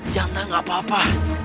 janda gak apa apa